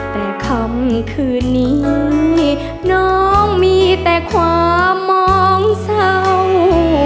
แต่คำคืนนี้น้องมีแต่ความมองเศร้า